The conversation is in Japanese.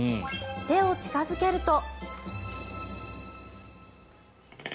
手を近付けると。